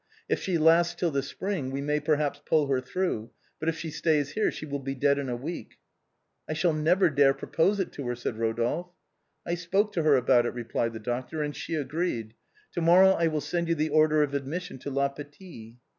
If she lasts till the spring we may perha]>s pull her through, but if she stays here she will be dead in a week." " I shall never dare propose it to her," said Rodolphe. " I spoke to her about it," replied the doctor, " and she agreed. To morrow I will send you the order of admission to La Pitié."